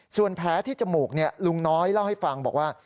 ส่วนแผลที่จมูกลุงน้อยเล่าให้ฟังบอกว่า